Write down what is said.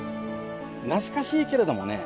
懐かしいけれどもね